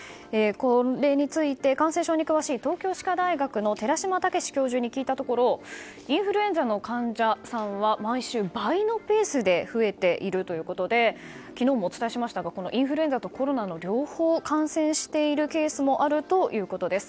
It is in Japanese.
これについて感染症に詳しい東京歯科大学の寺嶋毅教授に聞いたところインフルエンザの患者さんは毎週、倍のペースで増えているということで昨日もお伝えしましたがインフルエンザとコロナの両方に感染しているケースもあるということです。